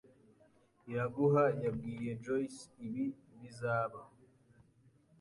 Iraguha yabwiye Joyce ibi bizaba.